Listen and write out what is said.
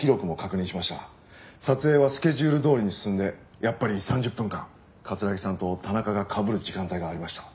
撮影はスケジュールどおりに進んでやっぱり３０分間城さんと田中がかぶる時間帯がありました。